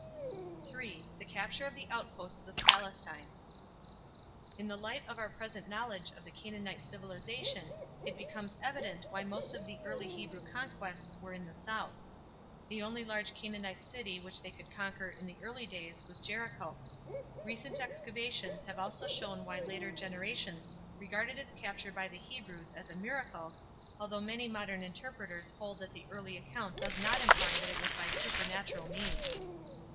III. THE CAPTURE OF THE OUTPOSTS OF PALESTINE. In the light of our present knowledge of the Canaanite civilization it becomes evident why most of the early Hebrew conquests were in the south. The only large Canaanite city which they could conquer in the early days was Jericho. Recent excavations have also shown why later generations regarded its capture by the Hebrews as a miracle, although many modern interpreters hold that the early account does not imply that it was by supernatural means.